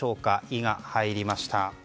「イ」が入りました。